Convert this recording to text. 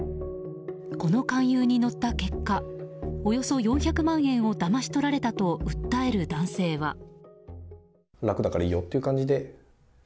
この勧誘に乗った結果およそ４００万円をだまし取られたと訴える男性は。